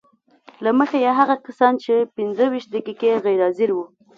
له مخې یې هغه کسان چې پنځه ویشت دقیقې غیر حاضر وو